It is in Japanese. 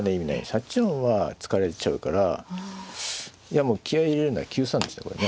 ８四は突かれちゃうからいやもう気合い入れるなら９三ですねこれね。